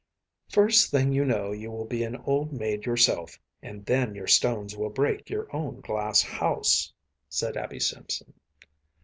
‚ÄĚ “First thing you know you will be an old maid yourself, and then your stones will break your own glass house,‚ÄĚ said Abby Simson.